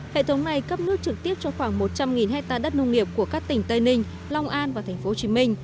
hệ thống này cấp nước trực tiếp cho khoảng một trăm linh hectare đất nông nghiệp của các tỉnh tây ninh long an và tp hcm